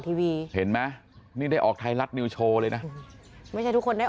ทีวีเห็นไหมนี่ได้ออกไทยรัฐนิวโชว์เลยนะไม่ใช่ทุกคนได้ออก